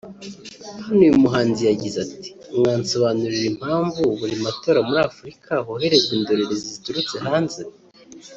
hano uyu muhanzi yagize ati “Mwansobanurira impamvu buri matora muri Afurika hoherezwa indorerezi ziturutse hanze